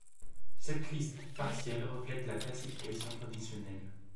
Cette liste partielle reflète la classification traditionnelle.